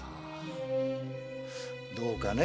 どうかね？